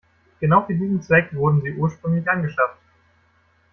Genau für diesen Zweck wurden sie ursprünglich angeschafft.